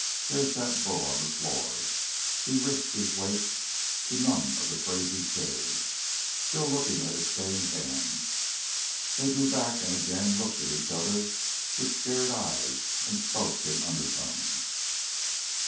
There sat Bull on the floor he risked his weight to none of the crazy chairs still looking at his stained hands. Then they drew back and again looked at each other with scared eyes and spoke in undertones.